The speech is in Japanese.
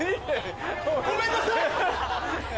ごめんなさい！